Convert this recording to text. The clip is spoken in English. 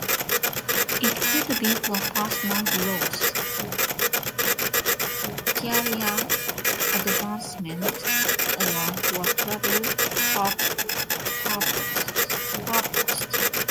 It could be for personal growth, career advancement, or for travel purposes.